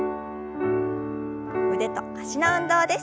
腕と脚の運動です。